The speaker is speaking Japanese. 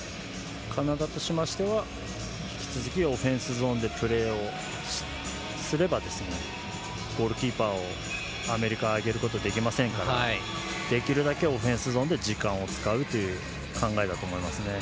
カナダとしてましては引き続き、オフェンスゾーンでプレーをすればゴールキーパーをアメリカは上げることができませんからできるだけオフェンスゾーンで時間を使うという考えと思います。